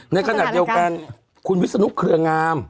ในขณะเดียวกันคุณวิศนุเครืองาม